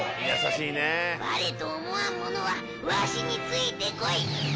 「われと思わん者はわしについてこい」